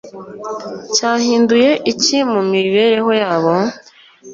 cyahinduye iki mu mibereho yabo?